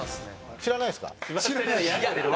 知らないですか？